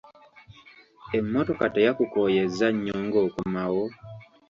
Emmotoka teyakukooyezza nnyo ng'okomawo?